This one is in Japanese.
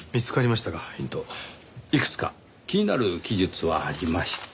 いくつか気になる記述はありました。